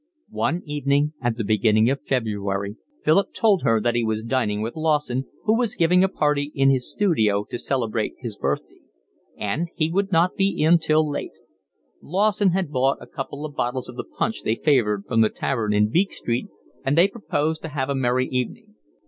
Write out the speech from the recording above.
One evening, at the beginning of February, Philip told her that he was dining with Lawson, who was giving a party in his studio to celebrate his birthday; and he would not be in till late; Lawson had bought a couple of bottles of the punch they favoured from the tavern in Beak Street, and they proposed to have a merry evening.